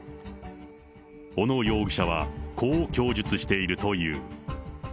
小野容疑者は、こう供述しているという。